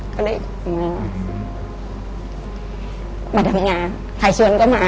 ก็เลยมามาทำงานถ่ายเชิญก็มา